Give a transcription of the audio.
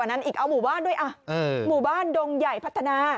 อ่ะหมู่บ้านดงใหญ่พัฒนา